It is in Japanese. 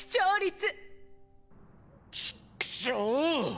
ちっくしょう！！